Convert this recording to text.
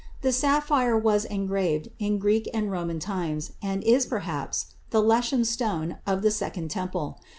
The sapphire was engraved in Greek and Roman times and is, perhaps, the leshem stone of the Second Temple.